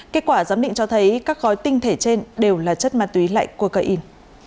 kết quả giám định cho thấy các gói tinh thể trên đều là chất ma túy lạnh của cây in